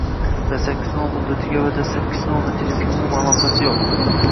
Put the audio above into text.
dastlabki sinov muddatiga va dastlabki sinov natijasiga umuman aloqasi yo‘q.